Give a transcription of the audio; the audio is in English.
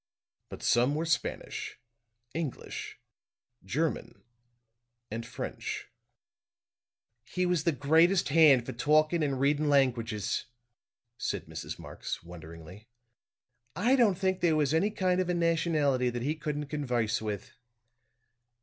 But some were Spanish, English, German and French. "He was the greatest hand for talking and reading languages," said Mrs. Marx, wonderingly. "I don't think there was any kind of a nationality that he couldn't converse with.